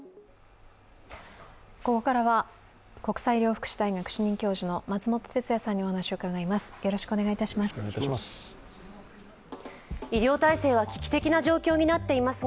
ここからは国際医療福祉大学主任教授の松本哲哉さんにお話をうかがいます。